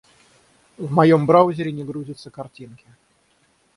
В моём браузере не грузятся картинки.